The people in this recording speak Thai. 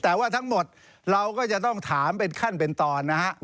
แต่ว่าทั้งหมดเราก็จะต้องถามเป็นขั้นเป็นตอนนะฮะ